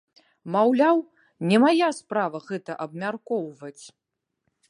Маўляў, не мая справа гэта абмяркоўваць.